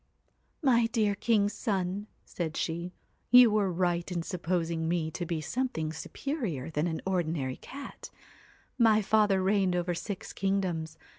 'My dear king's son,' said she, 'you were right in supposing me to be something superior to an ordinary cat. My father reigned over six kingdoms.